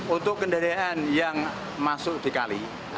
untuk kendaraan yang masuk di kali